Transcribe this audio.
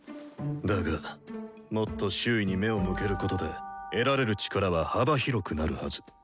だがもっと周囲に目を向けることで得られる力は幅広くなるはず。